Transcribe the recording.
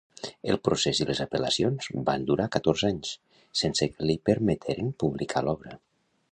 El procés i les apel·lacions van durar catorze anys, sense que li permeteren publicar l'obra.